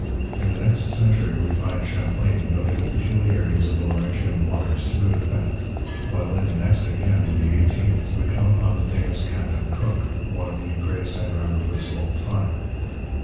In the next century we find Champlain noting the peculiarities of the Laurentian waters to good effect; while in the next again, the eighteenth, we come upon the famous Captain Cook, one of the greatest hydrographers of all time.